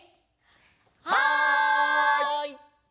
はい！